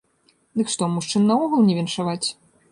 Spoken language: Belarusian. Дык што, мужчын наогул не віншаваць?